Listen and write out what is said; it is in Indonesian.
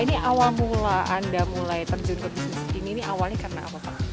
ini awal mula anda mulai terjun ke bisnis breeding anjing ini